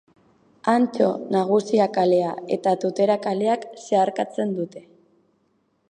Antso Nagusia kalea eta Tutera kaleak zeharkatzen dute.